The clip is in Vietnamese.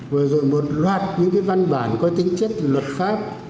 vừa rồi một loạt những cái văn bản có tính chất luật pháp